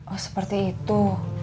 oh seperti itu